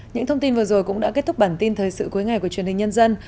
những thông tin vừa rồi cũng đã kết thúc bản tin thời sự cuối ngày của truyền hình nhân dân